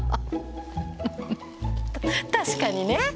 確かにね。